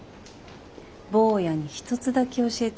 坊やに一つだけ教えてあげる。